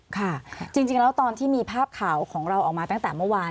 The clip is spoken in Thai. ค่ะจริงแล้วตอนที่มีภาพข่าวของเราออกมาตั้งแต่เมื่อวาน